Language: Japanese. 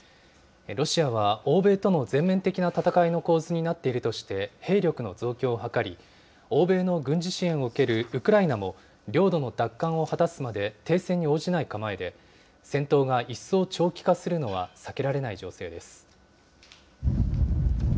ロシアは欧米との全面的な戦いの構図になっているとして、兵力の増強を図り、欧米の軍事支援を受けるウクライナも、領土の奪還を果たすまで停戦に応じない構えで、戦闘が一層長期化するのは避けられない情勢です。